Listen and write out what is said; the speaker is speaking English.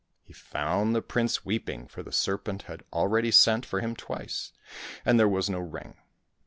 He found the prince weeping, for the serpent had already sent for him twice, and there was no ring.